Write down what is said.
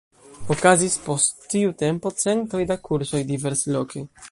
Okazis post tiu tempo centoj da kursoj diversloke.